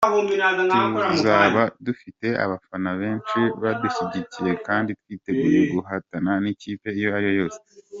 Tuzaba dufite abafana benshi badushyigikiye kandi twiteguye guhatana n’ikipe iyo ariyo yose.